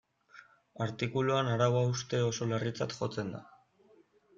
Artikuluan arau hauste oso larritzat jotzen da.